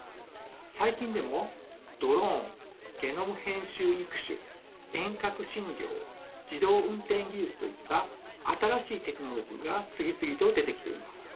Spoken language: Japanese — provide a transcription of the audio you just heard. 最近でもドローンゲノム編集育種遠隔診療自動運転技術といった新しいテクノロジーが次々と出てきています。